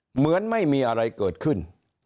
เหมือนไม่มีอะไรเกิดขึ้น